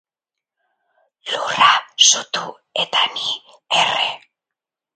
Lurra sutu eta ni erre.